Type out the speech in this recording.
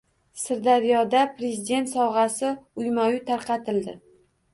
Sirdaryoda “Prezident sovg‘asi” uyma-uy tarqatildi